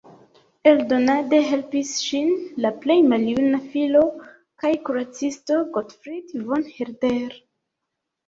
Eldonade helpis ŝin la plej maljuna filo kaj kuracisto Gottfried von Herder.